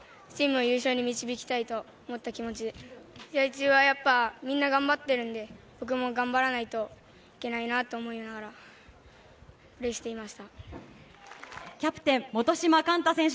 僕が決めて、優勝、チームを優勝に導きたいと思った気持ちで試合中はやっぱりみんなが頑張っているので、僕も頑張らないといけないなと思いながら、プレーしていました。